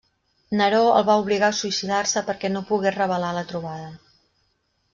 Neró el va obligar a suïcidar-se perquè no pogués revelar la trobada.